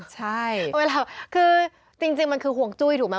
จริงจริงมันคือห่วงจุ้ยถูกไหม